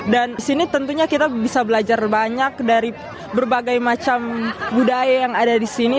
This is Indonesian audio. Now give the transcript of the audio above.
dan di sini tentunya kita bisa belajar banyak dari berbagai macam budaya yang ada di sini